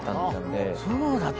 そうだったんだ。